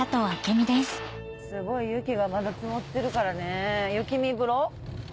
すごい雪がまだ積もってるからね雪見風呂？